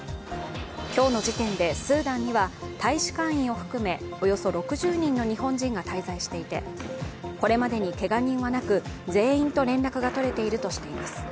今日の時点でスーダンには大使館員を含めおよそ６０人の日本人が滞在していて、これまでにけが人はなく全員と連絡が取れているとしています。